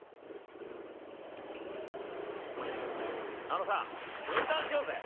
あのさ分担しようぜ。